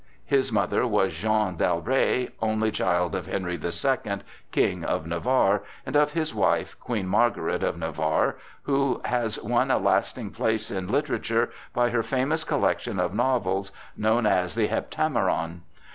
His mother was Jeanne d'Albret, only child of Henry the Second, King of Navarre, and of his wife, Queen Margaret of Navarre, who has won a lasting place in literature by her famous collection of novels, known as the "Heptameron."